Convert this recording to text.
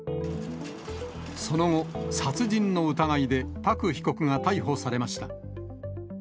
その後、殺人の疑いでパク被告が逮捕されました。